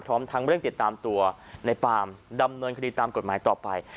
พร้อมทั้งเร่งติดตามตัวในปามดำเนินคดีตามกฎหมายต่อไป